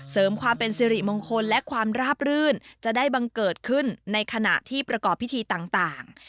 เสริมความเป็นสิริมงคลและความราบรื่นจะได้บังเกิดขึ้นในขณะที่ประกอบพิธีต่าง